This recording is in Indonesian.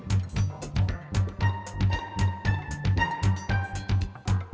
kau terpencil ditongkak fakta buatan maka sebenarnya carbonshelf siapa